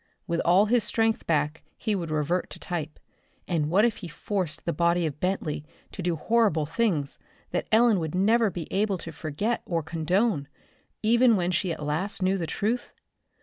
With all his strength back he would revert to type, and what if he forced the body of Bentley to do horrible things that Ellen would never be able to forget or condone even when she at last knew the truth?